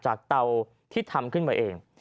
เตาที่ทำขึ้นมาเอง